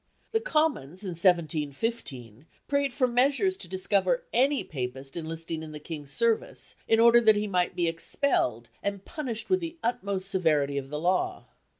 The Commons, in 1715, prayed for measures to discover any Papist enlisting in the King's service, in order that he might be expelled "and punished with the utmost severity of the law."